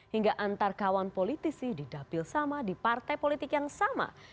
hingga antar kawan politisi di dapil sama di partai politik yang sama